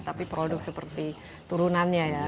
tapi produk seperti turunannya ya